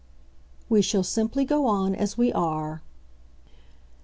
"We shall simply go on as we are."